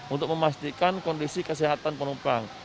untuk memastikan kondisi kesehatan penumpang